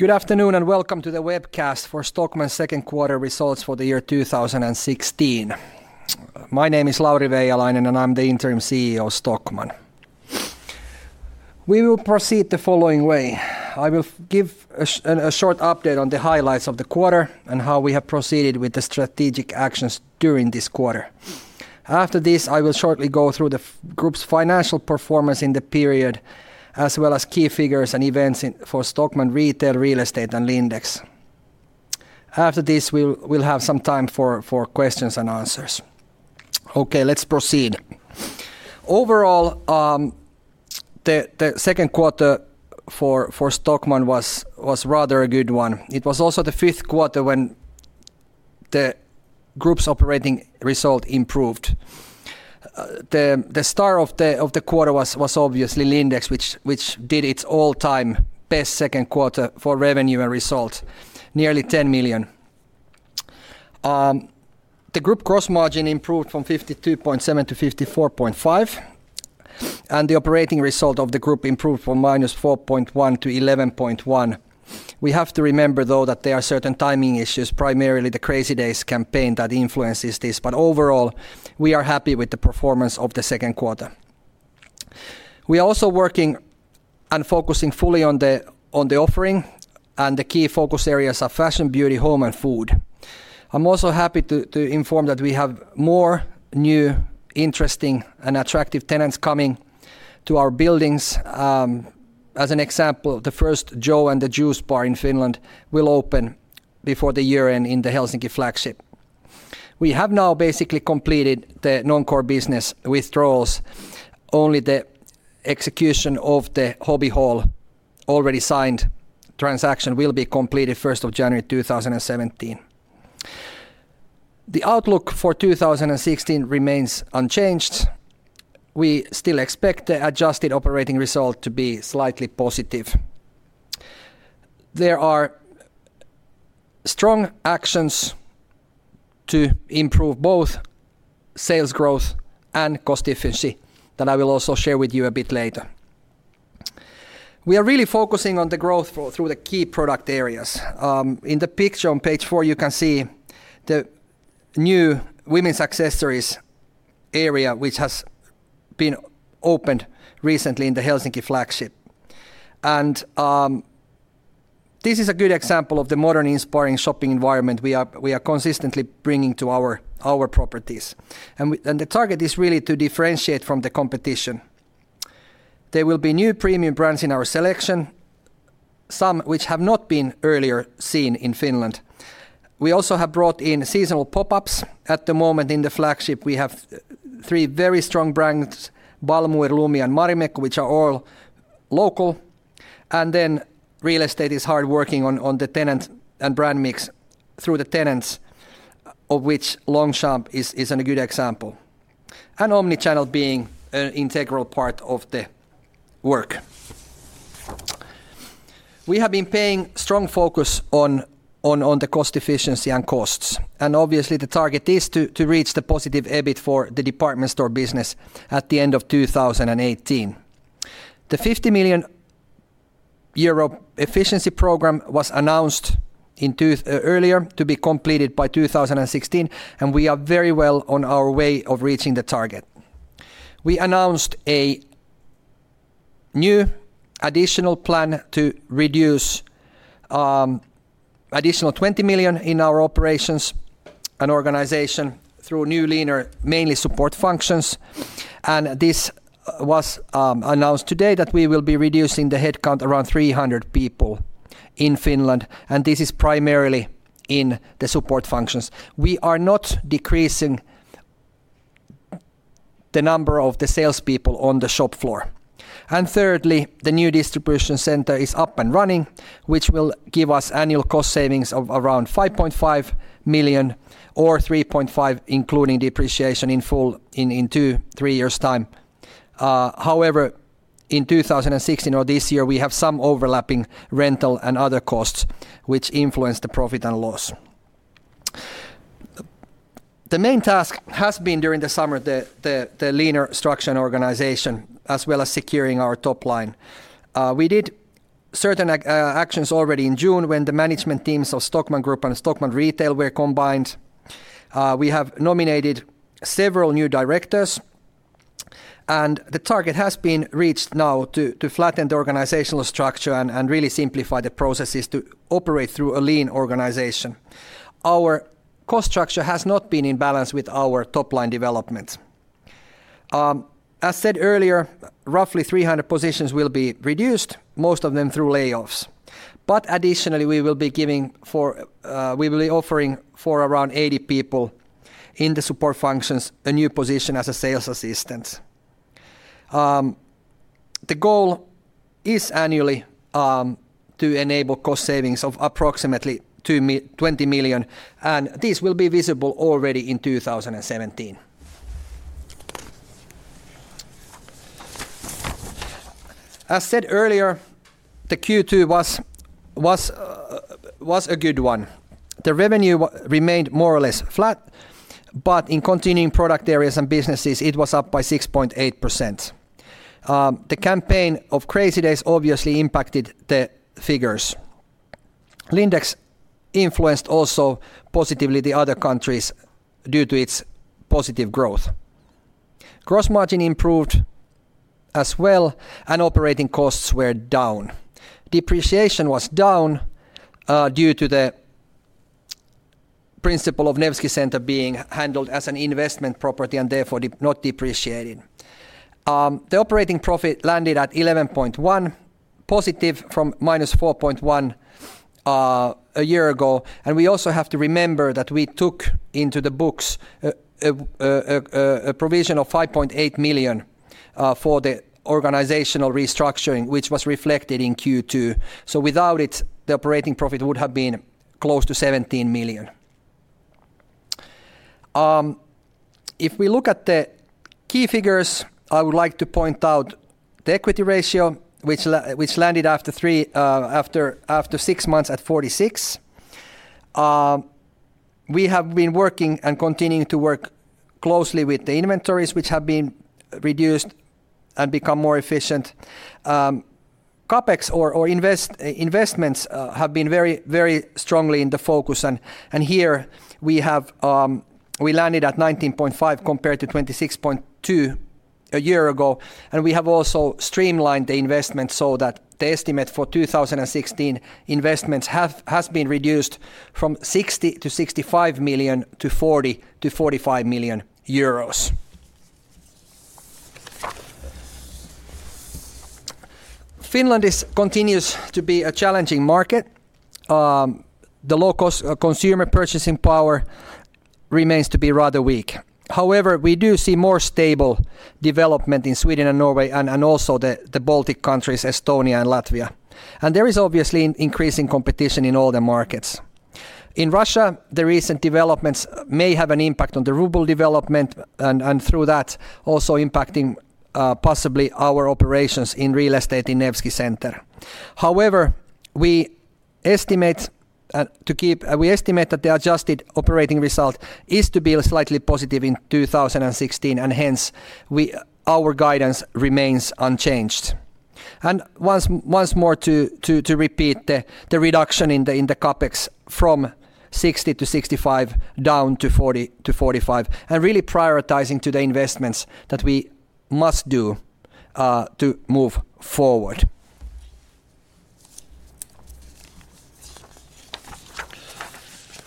Good afternoon and welcome to the webcast for Stockmann Q2 results for the year 2016. My name is Lauri Veijalainen and I'm the Interim CEO of Stockmann. We will proceed the following way. I will give a short update on the highlights of the quarter and how we have proceeded with the strategic actions during this quarter. After this, I will shortly go through the group's financial performance in the period, as well as key figures and events for Stockmann Retail, Real Estate and Lindex. After this, we'll have some time for questions and answers. Let's proceed. Overall, the Q2 for Stockmann was rather a good one. It was also the 5th quarter when the group's operating result improved. The star of the quarter was obviously Lindex, which did its all-time best Q2 for revenue and result, nearly 10 million. The group gross margin improved from 52.7%-54.5% and the operating result of the group improved from -4.1%-11.1%. We have to remember though that there are certain timing issues, primarily the Crazy Days campaign that influences this. Overall, we are happy with the performance of the Q2. We are also working and focusing fully on the offering and the key focus areas are fashion, beauty, home and food. I'm also happy to inform that we have more new, interesting and attractive tenants coming to our buildings. As an example, the first Joe & The Juice bar in Finland will open before the year end in the Helsinki flagship. We have now basically completed the non-core business withdrawals. Only the execution of the Hobby Hall already signed transaction will be completed January 1, 2017. The outlook for 2016 remains unchanged. We still expect the adjusted operating result to be slightly positive. There are strong actions to improve both sales growth and cost efficiency that I will also share with you a bit later. We are really focusing on the growth through the key product areas. In the picture on page 4, you can see the new women's accessories area which has been opened recently in the Helsinki flagship. This is a good example of the modern inspiring shopping environment we are consistently bringing to our properties. The target is really to differentiate from the competition. There will be new premium brands in our selection, some which have not been earlier seen in Finland. We also have brought in seasonal pop-ups. At the moment in the flagship, we have three very strong brands, Balmuir, Lumi and Marimekko, which are all local. Then Real Estate is hard working on the tenant and brand mix through the tenants, of which Longchamp is a good example and omnichannel being an integral part of the work. We have been paying strong focus on the cost efficiency and costs. Obviously, the target is to reach the positive EBIT for the department store business at the end of 2018. The 50 million euro efficiency program was announced earlier to be completed by 2016 and we are very well on our way of reaching the target. We announced a new additional plan to reduce additional 20 million in our operations and organization through new leaner, mainly support functions. This was announced today that we will be reducing the headcount around 300 people in Finland and this is primarily in the support functions. We are not decreasing the number of the salespeople on the shop floor. Thirdly, the new distribution center is up and running, which will give us annual cost savings of around 5.5 million or 3.5 million including depreciation in full in 2-3 years time. However, in 2016 or this year, we have some overlapping rental and other costs which influence the profit and loss. The main task has been during the summer the leaner structure and organization, as well as securing our top line. We did certain actions already in June when the management teams of Stockmann Group and Stockmann Retail were combined. We have nominated several new directors and the target has been reached now to flatten the organizational structure and really simplify the processes to operate through a lean organization. Our cost structure has not been in balance with our top-line development. As said earlier, roughly 300 positions will be reduced, most of them through layoffs. Additionally, we will be offering for around 80 people in the support functions a new position as a sales assistant. The goal is annually to enable cost savings of approximately 20 million and this will be visible already in 2017. As said earlier, the Q2 was a good one. The revenue remained more or less flat. But in continuing product areas and businesses, it was up by 6.8%. The campaign of Crazy Days obviously impacted the figures. Lindex influenced also positively the other countries due to its positive growth. Gross margin improved as well and operating costs were down. Depreciation was down due to the principle of Nevsky Center being handled as an investment property and therefore not depreciating. The operating profit landed at 11.1 million positive from minus 4.1 million a year ago. We also have to remember that we took into the books a provision of 5.8 million for the organizational restructuring which was reflected in Q2. Without it, the operating profit would have been close to 17 million. If we look at the key figures, I would like to point out the equity ratio which landed after six months at 46%. We have been working and continuing to work closely with the inventories which have been reduced and become more efficient. CapEx or investments have been very, very strongly in the focus and here we have we landed at 19.5 million compared to 26.2 million a year ago. We have also streamlined the investment so that the estimate for 2016 investments has been reduced from 60 million-65 million to 40 million-45 million euros. Finland is continues to be a challenging market. The low cost of consumer purchasing power remains to be rather weak. However, we do see more stable development in Sweden and Norway and also the Baltic countries, Estonia and Latvia. There is obviously increasing competition in all the markets. In Russia, the recent developments may have an impact on the ruble development and through that also impacting possibly our operations in Real Estate in Nevsky Center. However, we estimate that the adjusted operating result is to be slightly positive in 2016, hence our guidance remains unchanged. Once more to repeat the reduction in the CapEx from 60-65 million down to 40-45 million and really prioritizing the investments that we must do to move forward.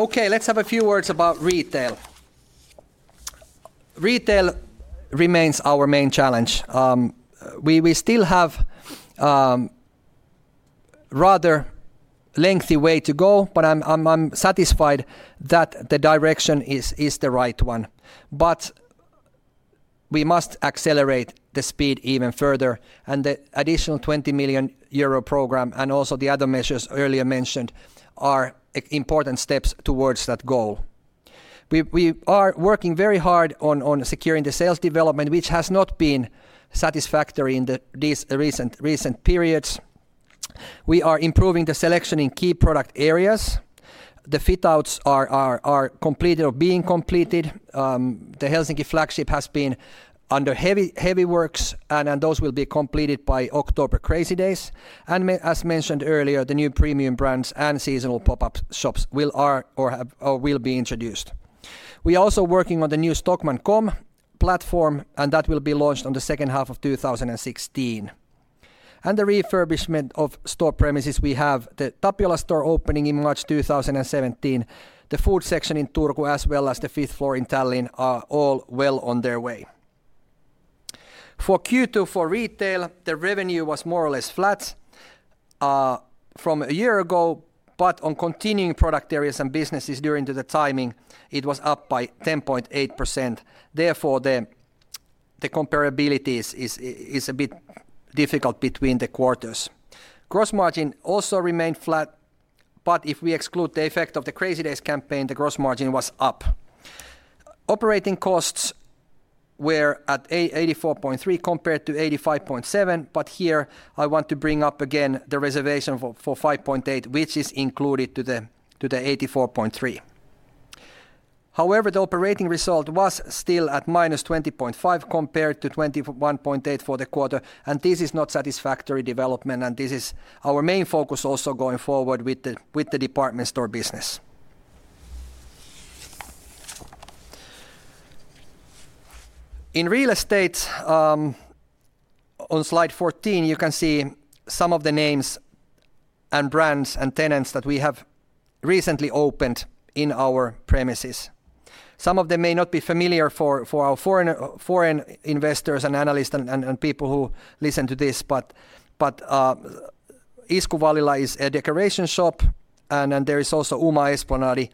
Let's have a few words about retail. Retail remains our main challenge. We still have a rather lengthy way to go, but I'm satisfied that the direction is the right one. We must accelerate the speed even further and the additional 20 million euro program and also the other measures earlier mentioned are important steps towards that goal. We are working very hard on securing the sales development, which has not been satisfactory in these recent periods. We are improving the selection in key product areas. The fit-outs are completed or being completed. The Helsinki flagship has been under heavy works and those will be completed by October Crazy Days. As mentioned earlier, the new premium brands and seasonal pop-up shops will have or will be introduced. We are also working on the new stockmann.com platform. That will be launched on the second half of 2016. The refurbishment of store premises, we have the Tapiola store opening in March 2017. The food section in Turku, as well as the fifth floor in Tallinn, are all well on their way. For Q2, for retail, the revenue was more or less flat from a year ago, but on continuing product areas and businesses during the timing, it was up by 10.8%. Therefore, the comparability is a bit difficult between the quarters. Gross margin also remained flat, but if we exclude the effect of the Crazy Days campaign, the gross margin was up. Operating costs were at 84.3 million compared to 85.7 million, but here I want to bring up again the reservation for 5.8 million, which is included to the 84.3 million. However, the operating result was still at minus 20.5 million compared to 21.8 million for the quarter and this is not satisfactory development and this is our main focus also going forward with the department store business. In Real Estate, on slide 14 you can see some of the names and brands and tenants that we have recently opened in our premises. Some of them may not be familiar for our foreign investors and analysts and people who listen to this, but Isku Vallila is a decoration shop and then there is also UMA Esplanadi,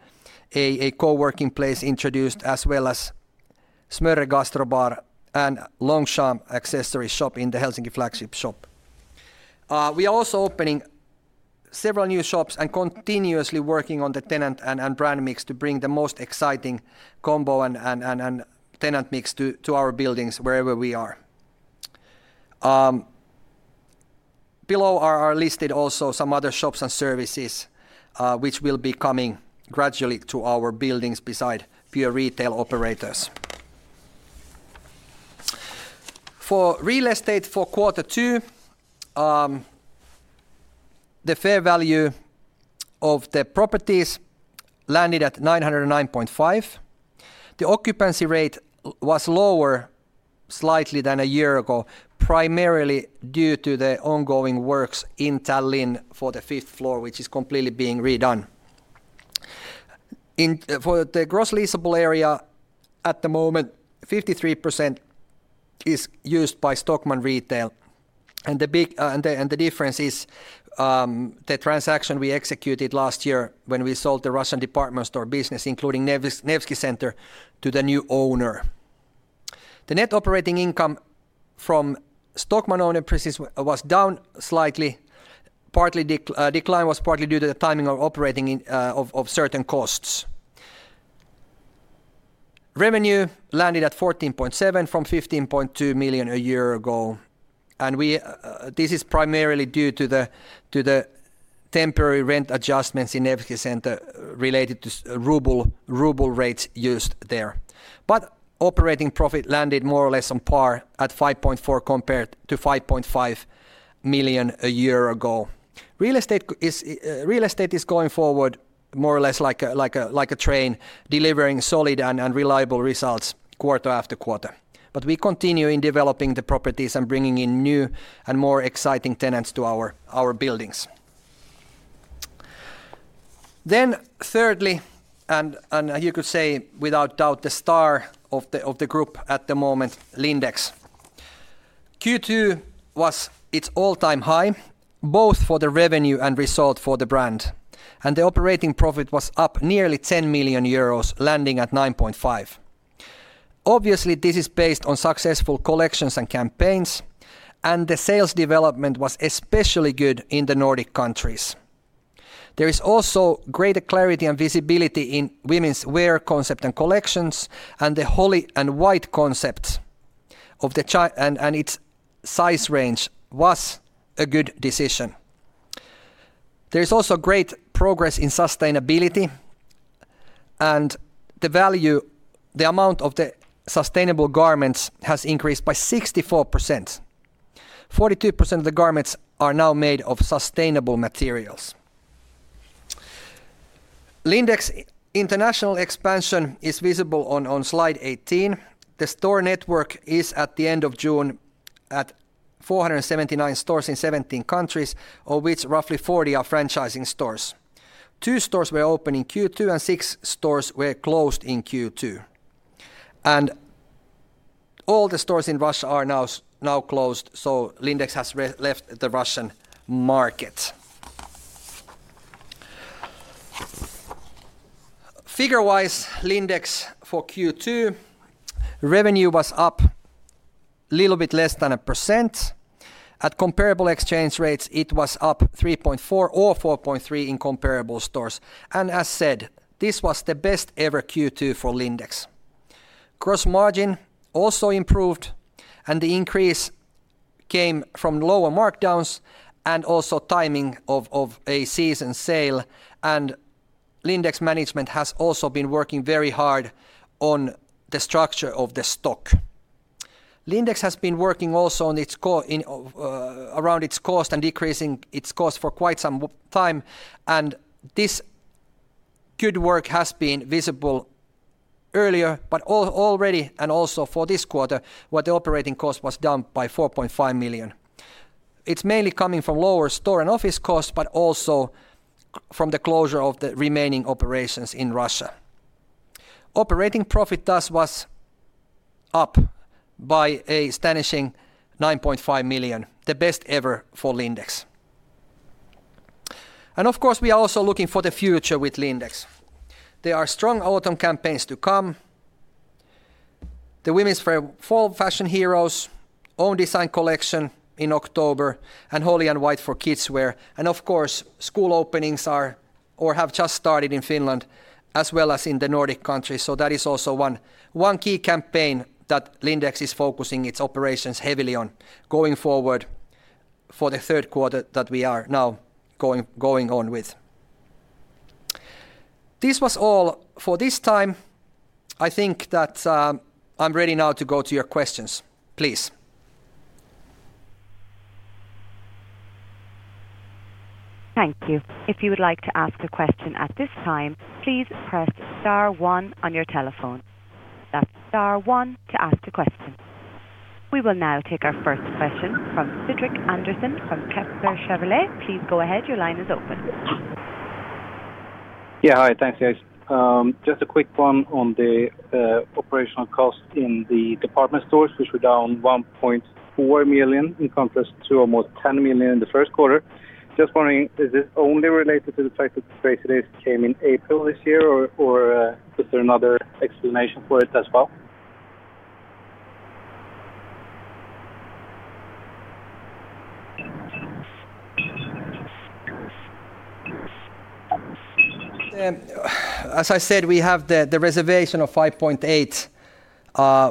a co-working place introduced as well as Smörgås Gastro Bar and Longchamp accessory shop in the Helsinki flagship shop. We are also opening several new shops and continuously working on the tenant and brand mix to bring the most exciting combo and tenant mix to our buildings wherever we are. Below are listed also some other shops and services which will be coming gradually to our buildings beside pure retail operators. For Real Estate for quarter two, the fair value of the properties landed at 909.5 million. The occupancy rate was lower slightly than a year ago, primarily due to the ongoing works in Tallinn for the fifth floor, which is completely being redone. For the gross leasable area at the moment, 53% is used by Stockmann retail and the difference is the transaction we executed last year when we sold the Russian department store business, including Nevsky Center, to the new owner. The net operating income from Stockmann-owned premises was down slightly. Partly decline was partly due to the timing of operating of certain costs. Revenue landed at 14.7 million from 15.2 million a year ago and we this is primarily due to the temporary rent adjustments in Nevsky Center related to RUB rates used there. Operating profit landed more or less on par at 5.4 million compared to 5.5 million a year ago. Real Estate is going forward more or less like a train delivering solid reliable results quarter after quarter. We continue in developing the properties and bringing in new and more exciting tenants to our buildings. Thirdly, you could say without doubt the star of the group at the moment, Lindex. Q2 was its all-time high, both for the revenue and result for the brand. The operating profit was up nearly 10 million euros, landing at 9.5 million. Obviously, this is based on successful collections and campaigns and the sales development was especially good in the Nordic countries. There is also greater clarity and visibility in Women's wear concept and collections. Its size range was a good decision. There is also great progress in sustainability. The value, the amount of the sustainable garments has increased by 64%. 42% of the garments are now made of sustainable materials. Lindex international expansion is visible on slide 18. The store network is, at the end of June, at 479 stores in 17 countries, of which roughly 40 are franchising stores. Two stores were opened in Q2. Six stores were closed in Q2. All the stores in Russia are now closed. Lindex has left the Russian market. Figure-wise, Lindex for Q2, revenue was up little bit less than 1%. At comparable exchange rates, it was up 3.4% or 4.3% in comparable stores. As said, this was the best ever Q2 for Lindex. Gross margin also improved. The increase came from lower markdowns and also timing of a season sale. Lindex management has also been working very hard on the structure of the stock. Lindex has been working also around its cost and decreasing its cost for quite some time and this good work has been visible earlier, but already and also for this quarter, where the operating cost was down by 4.5 million. It's mainly coming from lower store and office costs, but also from the closure of the remaining operations in Russia. Operating profit thus was up by a astonishing 9.5 million, the best ever for Lindex. Of course, we are also looking for the future with Lindex. There are strong autumn campaigns to come. The Women's wear Fall Fashion Heroes own design collection in October and Holly & Whyte for kids wear. Of course, school openings are or have just started in Finland as well as in the Nordic countries, so that is also one key campaign that Lindex is focusing its operations heavily on going forward for the Q3 that we are now going on with. This was all for this time. I think that, I'm ready now to go to your questions. Please. Thank you. If you would like to ask a question at this time, please press star one on your telephone. That's star one to ask a question. We will now take our first question from Cédric Lecasble from Kepler Cheuvreux. Please go ahead. Your line is open. Yeah. Hi. Thanks, guys. Just a quick one on the operational cost in the department stores, which were down 1.4 million in contrast to almost 10 million in the Q1. Just wondering, is this only related to the fact that the facilities came in April this year, or is there another explanation for it as well? As I said, we have the reservation of 5.8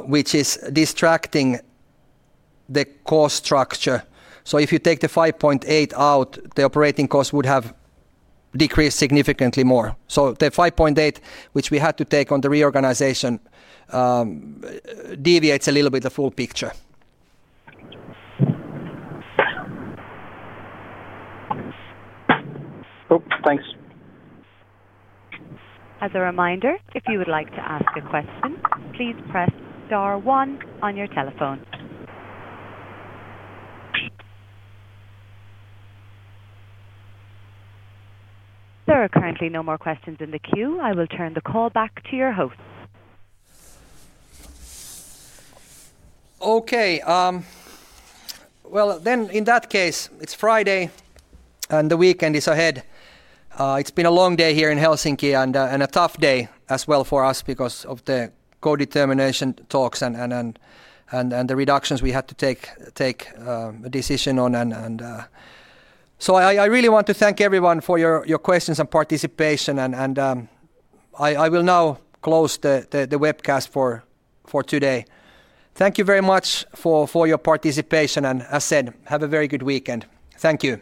million, which is distracting the cost structure. If you take the 5.8 million out, the operating cost would have decreased significantly more. The 5.8 million, which we had to take on the reorganization, deviates a little bit the full picture. Cool. Thanks. As a reminder, if you would like to ask a question, please press star one on your telephone. There are currently no more questions in the queue. I will turn the call back to your host. In that case, it's Friday and the weekend is ahead. It's been a long day here in Helsinki and a tough day as well for us because of the co-determination talks and the reductions we had to take a decision on. I really want to thank everyone for your questions and participation and I will now close the webcast for today. Thank you very much for your participation and as said, have a very good weekend. Thank you.